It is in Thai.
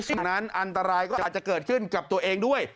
สิ่งนั้นอันตรายก็อาจจะเกิดขึ้นกับตัวเองด้วย